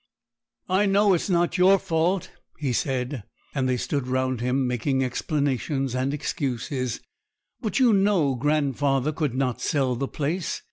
'I know it's not your fault,' he said, as they stood round him, making explanations and excuses; 'but you know grandfather could not sell the place.